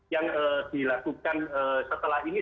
yang dilakukan setelah ini